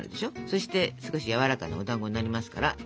そして少しやわらかなおだんごになりますから。